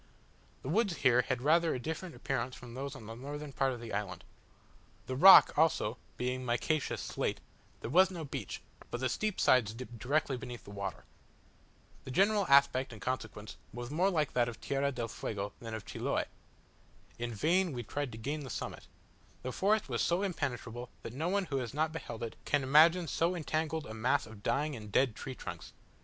The woods here had rather a different appearance from those on the northern part of the island. The rock, also, being micaceous slate, there was no beach, but the steep sides dipped directly beneath the water. The general aspect in consequence was more like that of Tierra del Fuego than of Chiloe. In vain we tried to gain the summit: the forest was so impenetrable, that no one who has not beheld it can imagine so entangled a mass of dying and dead trunks.